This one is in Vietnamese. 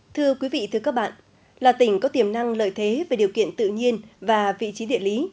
thưa quý vị thưa các bạn là tỉnh có tiềm năng lợi thế về điều kiện tự nhiên và vị trí địa lý